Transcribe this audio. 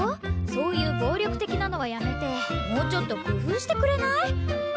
そういう暴力的なのはやめてもうちょっと工夫してくれない？